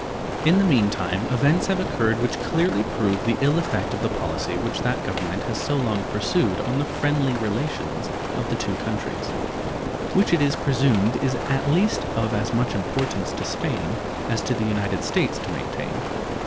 In the mean time events have occurred which clearly prove the ill effect of the policy which that Government has so long pursued on the friendly relations of the two countries, which it is presumed is at least of as much importance to Spain as to the United States to maintain.